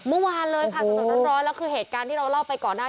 เมื่อวานเลยค่ะสดร้อนแล้วคือเหตุการณ์ที่เราเล่าไปก่อนหน้า